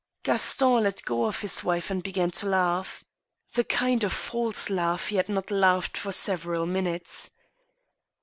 Gaston let go of his wife and began to laugh— the kind of false laugh he had not laughed for several minutes.